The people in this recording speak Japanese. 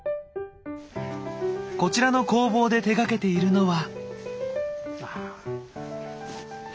こちらの工房で手がけているのは。